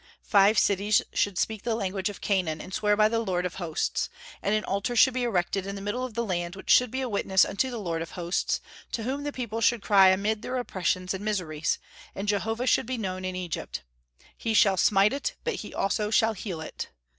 Five cities should speak the language of Canaan, and swear by the Lord of Hosts; and an altar should be erected in the middle of the land which should be a witness unto the Lord of Hosts, to whom the people should cry amid their oppressions and miseries; and Jehovah should be known in Egypt. "He shall smite it, but he also shall heal it."